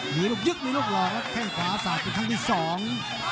หลีลูกยึกหลีลูกหล่อแข่งขวาสาดเป็นครั้งที่สอง